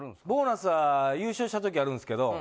ボーナスは優勝した時あるんですけど。